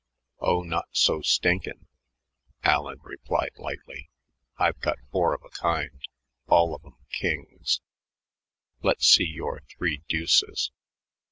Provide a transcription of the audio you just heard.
"Oh, not so stinkin'," Allen replied lightly. "I've got four of a kind, all of 'em kings. Let's see your three deuces."